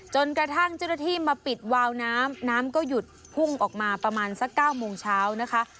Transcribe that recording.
จนกระทั่งเจ้าหน้าที่มาปิดวาวน้ำน้ำก็หยุดพุ่งออกมาประมาณสัก๙โมงเช้านะคะ